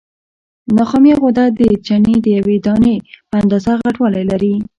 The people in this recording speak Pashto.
نخامیه غده د چڼې د یوې دانې په اندازه غټوالی لري.